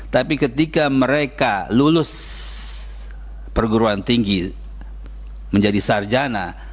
tapi ketika mereka lulus perguruan tinggi menjadi sarjana